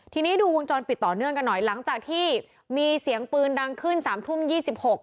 ทีนี้ดูวงจรปิดต่อเนื่องกันหน่อยหลังจากที่มีเสียงปืนดังขึ้นสามทุ่มยี่สิบหก